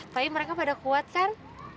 tapi mereka pada kuat kan